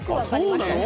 そうなの？